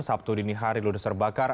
sabtu dini hari ludes terbakar